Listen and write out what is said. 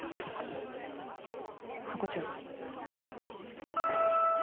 ハコ長。